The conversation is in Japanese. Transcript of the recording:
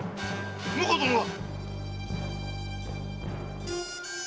⁉婿殿は？